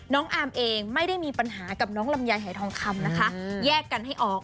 น้องอาร์มเองไม่ได้มีปัญหากับน้องลำไยหายทองคำนะคะแยกกันให้ออก